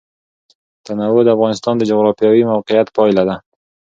تنوع د افغانستان د جغرافیایي موقیعت پایله ده.